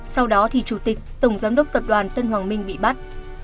sau đó thì chủ tịch tổng giám đốc tập đoàn tân hoàng minh bị bắt